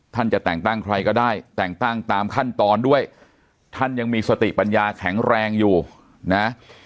จะแต่งตั้งใครก็ได้แต่งตั้งตามขั้นตอนด้วยท่านยังมีสติปัญญาแข็งแรงอยู่นะ